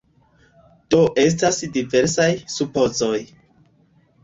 Do estas diversaj supozoj.